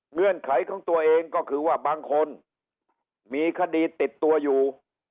เงื่อนไขของตัวเองก็คือว่าบางคนมีคดีติดตัวอยู่